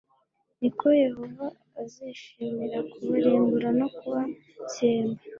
ni ko yehova azishimira kubarimbura no kubatsemba